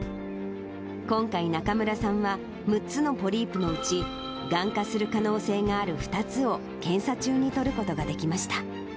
今回、中村さんは６つのポリープのうち、がん化する可能性がある２つを検査中に取ることができました。